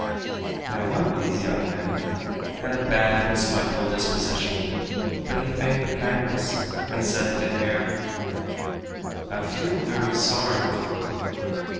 Now one of these young men had a bad and spiteful disposition. But he feigned kindness, and said to the hare: "I feel very sorry for you.